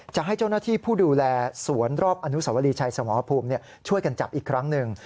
จะให้เจ้าหน้าที่ผู้ดูแลสวนรอบอนุสวรีชัยสมรภูมิช่วยกันจับอีกครั้งหนึ่ง